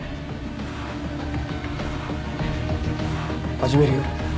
始めるよ。